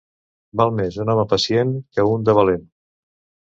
Val més un home pacient que un de valent.